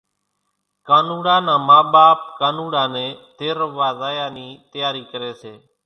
ڪانوڙا نان ما ٻاپ ڪانوڙا نين تيرووا زايا نِي تياري ڪري سي